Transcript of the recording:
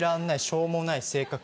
しょうもない性格